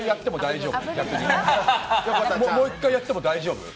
もう１回やっても大丈夫？